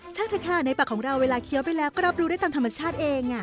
เถอะค่ะในปากของเราเวลาเคี้ยวไปแล้วก็รับรู้ได้ตามธรรมชาติเอง